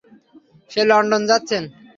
সে London যাচ্ছেন।